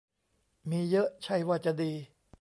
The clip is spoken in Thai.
มีเยอะใช่ว่าจะดี